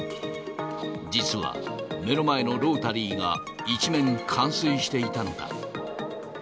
実は、目の前のロータリーが一面冠水していたのだ。